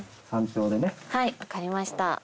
はい分かりました。